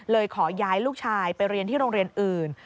ขอย้ายลูกชายไปเรียนที่โรงเรียนอื่น